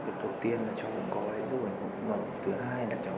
việc đầu tiên là cháu cũng có hết rồi nhưng mà thứ hai là cháu